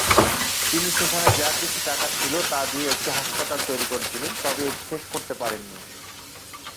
তিনি সেখানে যা কিছু টাকা ছিল তা দিয়ে একটি হাসপাতাল তৈরি করছিলেন, তবে এটি শেষ করতে পারেননি।